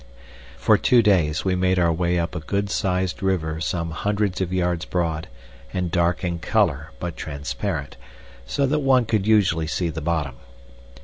For two days we made our way up a good sized river some hundreds of yards broad, and dark in color, but transparent, so that one could usually see the bottom.